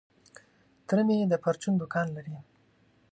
تره مي د پرچون دوکان لري .